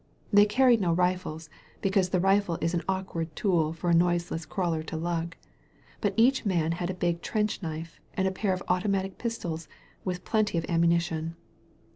'* They carried no rifles, I^ecause the rifle is an awkward tool for a noiseless crawler to lug. But each man had a big trench knife and a pair of automatic pistols, with plenty of ammunition.